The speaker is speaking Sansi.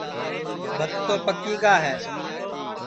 بھت تو پکی گا ہے